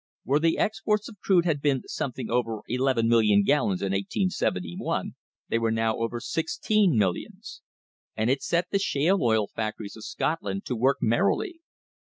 Where the exports of crude had been something over eleven million gallons in 1871, they were now over six teen millions. And it set the shale oil factories of Scotland to work merrily.